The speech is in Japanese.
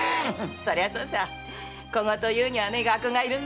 そりゃそうさ小言を言うには学がいるんだよ。